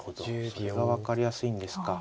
それが分かりやすいんですか。